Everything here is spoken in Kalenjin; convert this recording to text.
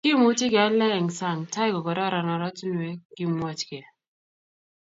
Kimuchi kealda eng sang tai kokoron oratinwek, kimwochkei